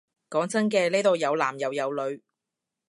講真嘅，呢度有男又有女